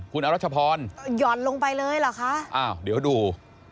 คุณอรัชพรหย่อนลงไปเลยเหรอคะอ้าวเดี๋ยวดู